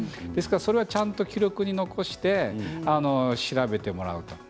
それはちゃんと記録に残して調べてもらうと。